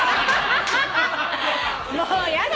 もうやだ！